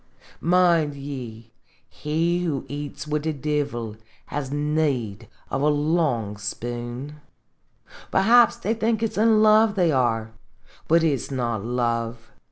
Mind ye, he who eats wid the Divil has need of a long spoon ! Perhaps they think it 's in love they are, but it 's not love.